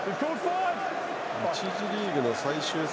１次リーグの最終戦